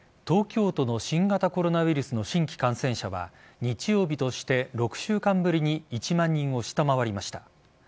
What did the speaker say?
東京都の新型コロナウイルスの新規感染者は日曜日として６週間ぶりに１万人を下回りました。